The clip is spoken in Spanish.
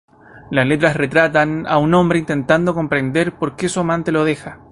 Las letras retratan a un hombre intentando comprender porque su amante lo deja.